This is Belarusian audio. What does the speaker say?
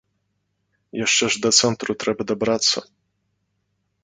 А яшчэ ж да цэнтру трэба дабрацца.